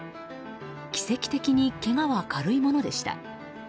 奇跡的に、けがは軽いものでした。